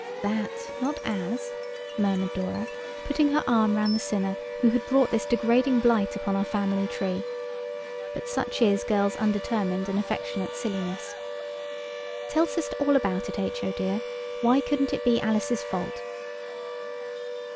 "That, not as," murmured Dora, putting her arm round the sinner who had brought this degrading blight upon our family tree, but such is girls' undetermined and affectionate silliness. "Tell sister all about it, H.O. dear. Why couldn't it be Alice's fault?"